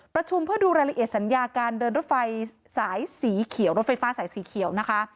ประชุมเพื่อดูรายละเอียดสัญญาการเดินรถไฟสายสีเขียวรถไฟฟ้าสายสีเขียวนะคะ